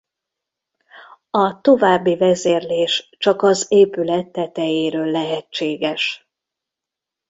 A további vezérlés csak az épület tetejéről lehetséges.